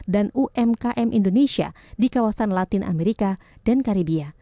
dan umkm indonesia di kawasan latin amerika dan karibia